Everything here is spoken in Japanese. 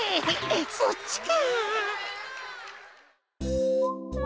そっちか。